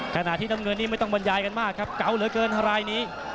ขณะที่น้ำเงินนี้ไม่ต้องบรรยายกันมากครับเก่าเหลือเกินรายนี้